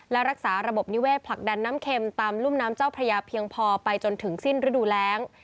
และรักษาระบบนิเวศผลักดันน้ำเข็มตามรุ่มน้ำเจ้าพระยาเพียงพอไปจนถึงสิ้นฤดูแรง